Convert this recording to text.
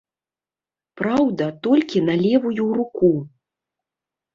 Праўда, толькі на левую руку.